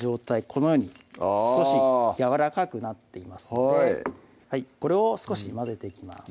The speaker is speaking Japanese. このように少しやわらかくなっていますのでこれを少し混ぜていきます